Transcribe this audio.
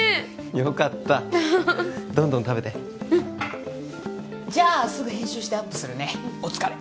よかったどんどん食べてうんじゃあすぐ編集してアップするねお疲れ